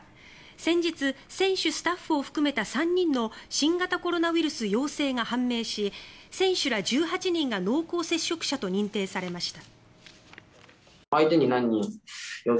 先日選手、スタッフを含めた３人の新型コロナウイルス陽性が判明し選手ら１８人が濃厚接触者と認定されました。